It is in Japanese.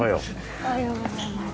おはようございます。